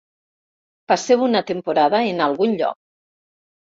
Passeu una temporada en algun lloc.